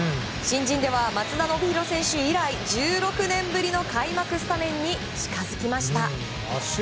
新人では松田宣浩選手以来１６年ぶりの開幕スタメンに近づきました。